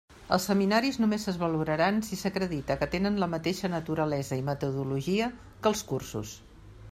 Els seminaris només es valoraran si s'acredita que tenen la mateixa naturalesa i metodologia que els cursos.